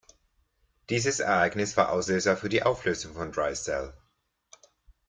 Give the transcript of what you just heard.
Dieses Ereignis war Auslöser für die Auflösung von Dry Cell.